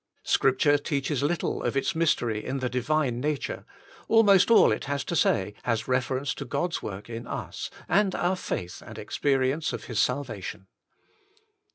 Scripture teaches little of its mystery in the Divine nature, almost all it has to say has reference to God's work in us, and our faith and experience of His salvation.